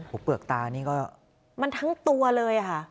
โอ้โหเปลือกตานี่ก็มันทั้งตัวเลยค่ะ